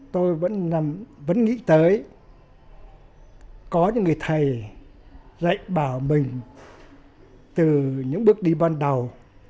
tôi vẫn nghĩ tới có những người thầy dạy bảo mình từ những bước đi ban đầu